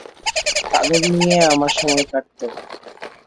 তাদের নিয়েই আমার সময় কাটত।